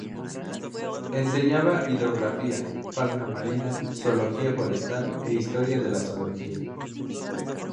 Enseñaba hidrografía, fauna marina, zoología forestal, e historia de la zoología.